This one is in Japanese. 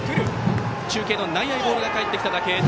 中継の内野にボールが返ってきただけ。